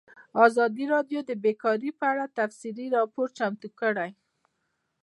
ازادي راډیو د بیکاري په اړه تفصیلي راپور چمتو کړی.